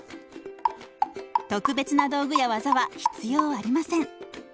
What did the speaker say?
特別な道具や技は必要ありません。